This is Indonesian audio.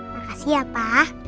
makasih ya pak